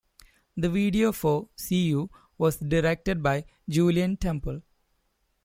The video for "See You" was directed by Julien Temple.